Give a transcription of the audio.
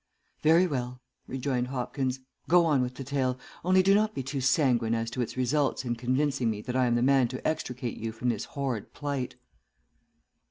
"Very well," rejoined Hopkins. "Go on with the tale, only do not be too sanguine as to its results in convincing me that I am the man to extricate you from this horrid plight."